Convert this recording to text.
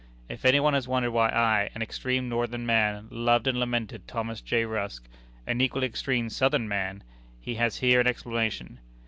If any one has wondered why I, an extreme Northern man, loved and lamented Thomas J. Rusk, an equally extreme Southern man, he has here an explanation.